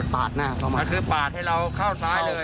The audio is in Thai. หน้าเข้ามาคือปาดให้เราเข้าซ้ายเลย